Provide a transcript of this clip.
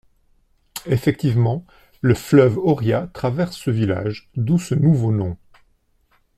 Effectivement, le fleuve Oria traverse ce village d'où ce nouveau nom.